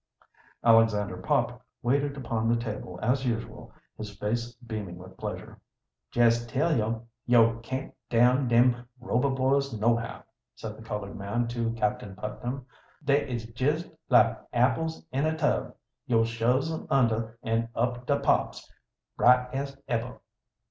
Alexander Pop waited upon the table as usual, his face beaming with pleasure. "Jes tell yo', yo' can't down dem Rober boys nohow," said the colored man to Captain Putnam. "Da is jes like apples in a tub yo' shoves 'em under, an' up da pops, bright as eber."